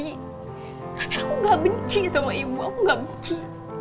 karena aku gak benci sama ibu aku gak benci